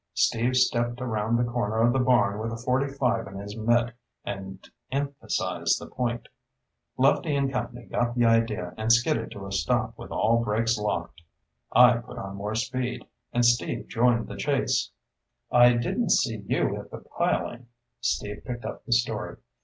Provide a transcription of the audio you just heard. Steve stepped around the corner of the barn with a .45 in his mitt and emphasized the point. Lefty and company got the idea and skidded to a stop with all brakes locked. I put on more speed, and Steve joined the chase." "I didn't see you hit the piling." Steve picked up the story.